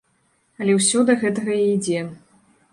Але ўсё да гэтага і ідзе.